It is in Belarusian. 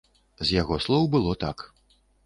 З яго слоў было так.